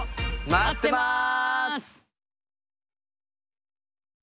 待ってます！